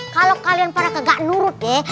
kalau kalian para kegak nurut deh